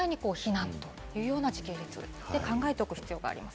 こういった時系列で考えておく必要があります。